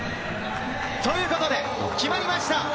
ということで、決まりました！